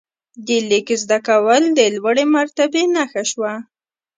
د لیک زده کول د لوړې مرتبې نښه شوه.